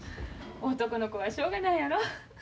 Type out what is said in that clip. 男の子はしょうがないやろ。